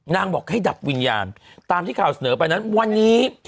บอกให้ดับวิญญาณตามที่ข่าวเสนอไปนั้นวันนี้